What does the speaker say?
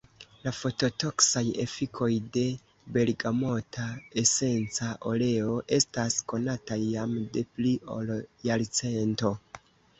La fototoksaj efikoj de bergamota esenca oleo estas konataj jam de pli ol jarcento.